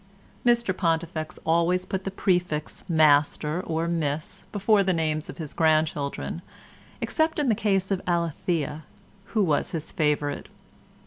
Mr Pontifex always put the prefix "master" or "miss" before the names of his grandchildren, except in the case of Alethea, who was his favourite.